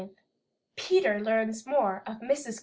V PETER LEARNS MORE OF MRS.